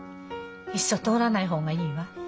いっそ通らない方がいいわ。